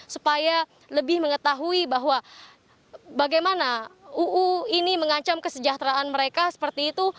supaya lebih mengetahui bahwa bagaimana uu ini mengancam kesejahteraan mereka seperti itu